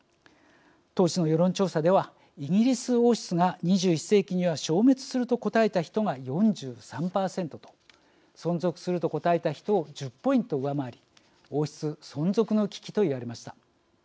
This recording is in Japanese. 当時の世論調査では「イギリス王室が２１世紀には消滅する」と答えた人が４３％と「存続する」と答えた人を１０ポイント上回り王室、存続の危機と言われました。